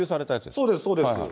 そうです、そうです。